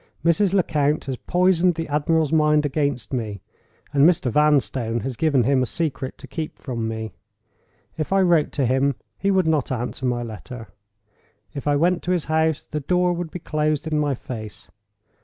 Mrs. Lecount has poisoned the admiral's mind against me, and Mr. Vanstone has given him a secret to keep from me. If I wrote to him, he would not answer my letter. If I went to his house, the door would be closed in my face.